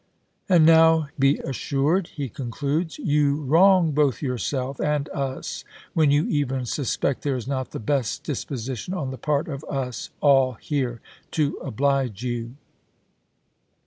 .. And now be assured," he concludes, " you wrong both yourself and us when you even suspect there is not the best disposition on the part of us all here to oblige you."